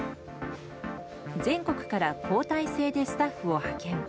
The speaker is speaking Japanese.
全国から交代制でスタッフを派遣。